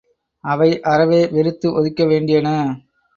அவை அறவே வெறுத்து ஒதுக்க வேண்டியன.